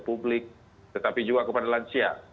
publik tetapi juga kepada lansia